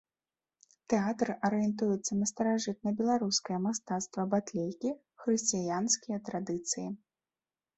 Тэатр арыентуецца на старажытнабеларускае мастацтва батлейкі, хрысціянскія традыцыі.